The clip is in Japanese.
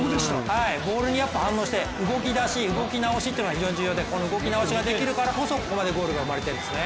ボールに反応して動き出し動き直しが重要でこの動き直しができるからこそ、ここまでゴールが生まれているんですね。